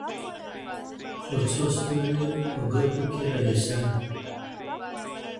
خو څو ستوري په گردو کې را ايسار دي